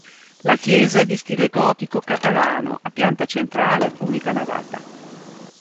La Chiesa è di stile gotico-catalano, a pianta centrale, unica navata.